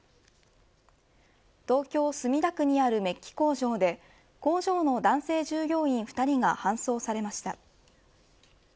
東京、墨田区にあるメッキ工場で工場の男性従業員２人が搬送されました。